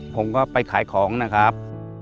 ผมก็ไปขายของนะครับ